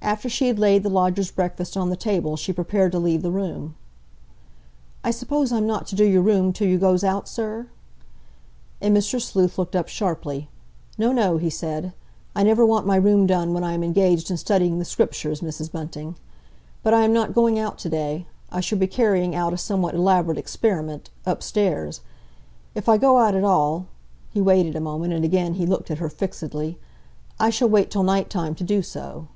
After she had laid the lodger's breakfast on the table she prepared to leave the room. "I suppose I'm not to do your room till you goes out, sir?" And Mr. Sleuth looked up sharply. "No, no!" he said. "I never want my room done when I am engaged in studying the Scriptures, Mrs. Bunting. But I am not going out to day. I shall be carrying out a somewhat elaborate experiment—upstairs. If I go out at all" he waited a moment, and again he looked at her fixedly "—I shall wait till night time to do so."